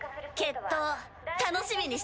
決闘楽しみにしてるね。